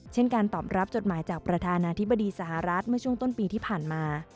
การตอบรับจดหมายจากประธานาธิบดีสหรัฐเมื่อช่วงต้นปีที่ผ่านมา